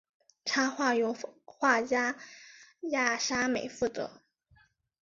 插画由画家亚沙美负责。